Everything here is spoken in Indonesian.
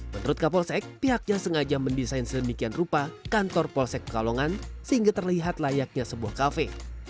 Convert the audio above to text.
menurut kapolsek pihaknya sengaja mendesain sedemikian rupa kantor polsek pekalongan sehingga terlihat layaknya sebuah kafe